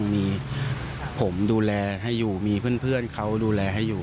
มีผมดูแลให้อยู่มีเพื่อนเขาดูแลให้อยู่